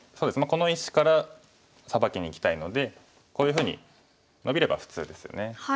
この石からサバキにいきたいのでこういうふうにノビれば普通ですよね。